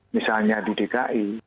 misalnya di dki